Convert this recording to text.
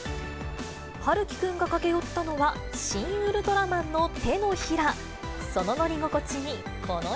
陽喜くんが駆け寄ったのは、シン・ウルトラマンの手のひら。